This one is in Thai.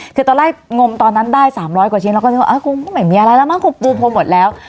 คือตอนแรกงมตอนนั้นได้๓๐๐กว่าชิ้นเราก็นึกว่าคงไม่มีอะไรแล้วมั้งคงปูพรมหมดแล้ว